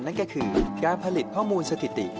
นั่นก็คือการผลิตข้อมูลสถิติ